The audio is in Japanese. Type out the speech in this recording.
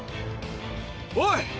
おい！